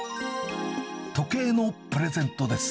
時計のプレゼントです。